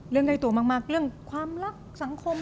ใกล้ตัวมากเรื่องความรักสังคม